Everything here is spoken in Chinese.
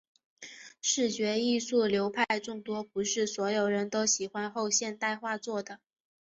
视觉艺术流派众多，不是所有人都喜欢后现代画作的。